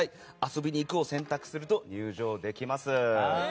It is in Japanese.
遊びに行くを選択すると入場できます。